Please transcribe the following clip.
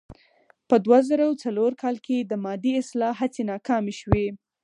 په دوه زره څلور کال کې د مادې اصلاح هڅې ناکامې شوې.